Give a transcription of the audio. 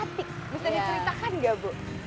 bisa diceritakan gak bu